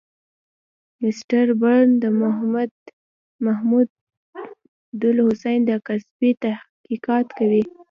مسټر برن د محمودالحسن د قضیې تحقیقات کوي.